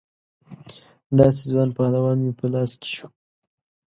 داسې ځوان پهلوان مې په لاس کې شو.